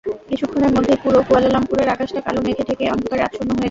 কিছুক্ষণের মধ্যেই পুরো কুয়ালালামপুরের আকাশটা কালো মেঘে ঢেকে অন্ধকারে আচ্ছন্ন হয়ে গেল।